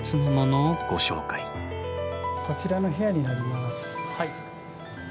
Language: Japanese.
こちらの部屋になります。